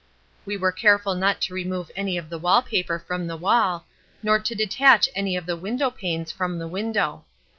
We were careful not to remove any of the wall paper from the wall, nor to detach any of the window panes from the window.